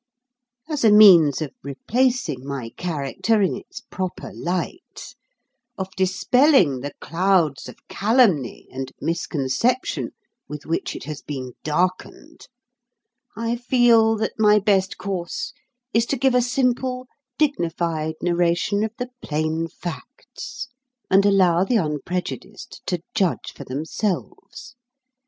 As a means of replacing my character in its proper light of dispelling the clouds of calumny and misconception with which it has been darkened, I feel that my best course is to give a simple, dignified narration of the plain facts, and allow the unprejudiced to judge for themselves.